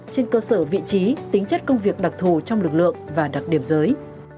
trên cơ sở vị trí tính chất công việc đặc thù trong lực lượng và đặc điểm giới